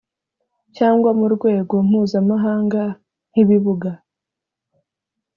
Cyangwa mu rwego mpuzamahanga nk ibibuga